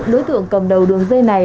đối tượng cầm đầu đường dây này